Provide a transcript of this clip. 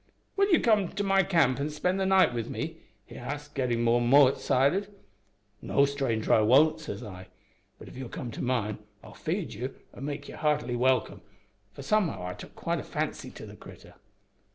"`Will you come to my camp and spend the night with me?' he asked, gettin' more an' more excited. "`No, stranger, I won't,' says I; `but if you'll come to mine I'll feed you an' make you heartily welcome,' for somehow I'd took quite a fancy to the critter.